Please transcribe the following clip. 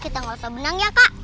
kita gak usah berenang ya kak